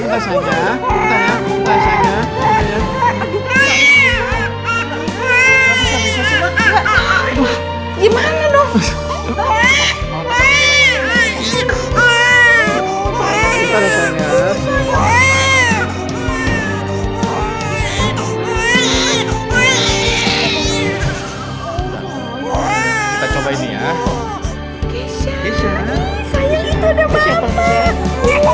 kaya gitu udah mama udah sayang sayang oh ya ya oke oke itu mama itu tuh lihatnya pinter ya